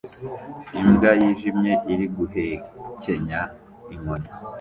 Imbwa yijimye iri guhekenya inkoni